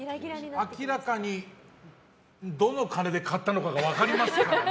明らかにどの金で買ったのかが分かりますからね。